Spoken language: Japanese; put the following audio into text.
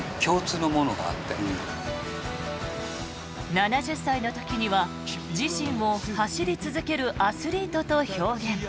７０歳の時には自身を走り続けるアスリートと表現。